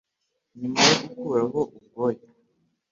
Nyuma yo gukuraho ubwoya